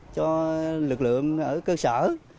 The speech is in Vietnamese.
cho lực lượng ở cơ sở